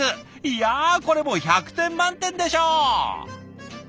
いやこれもう１００点満点でしょう！